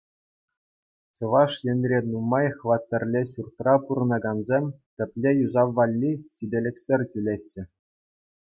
Чӑваш Енре нумай хваттерлӗ ҫуртра пурӑнакансем тӗплӗ юсав валли ҫителӗксӗр тӳлеҫҫӗ.